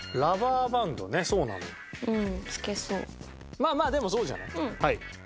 まあまあでもそうじゃない？